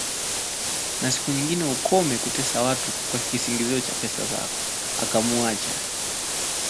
“Na siku nyingine ukome kutesa watu kwa kisingizio cha pesa zako!” Akamuacha